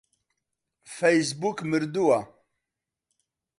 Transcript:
فەیسبووک مردووە.